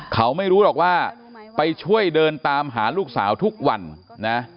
เขาไม่รู้หรอกว่าไปช่วยเดินตามหาลูกสาวทุกวันนะ